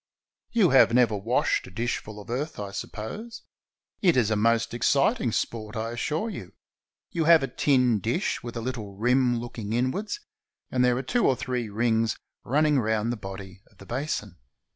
You have never washed a dishful of earth, I suppose. It is a most exciting sport, I assure you. You have a tin dish with a little rim looking inwards, and there are two or three rings running round the body of the basin.